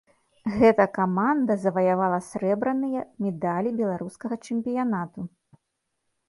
Гэта каманда заваявала срэбраныя медалі беларускага чэмпіянату.